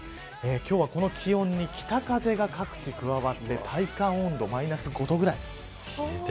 今日はこの気温に北風が各地加わって体感温度マイナス５度ぐらい。